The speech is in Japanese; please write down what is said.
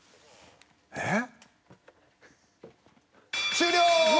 終了！